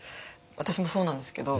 私もそうなんですけど。